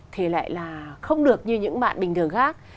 thì lại là không được như những bạn bình thường khác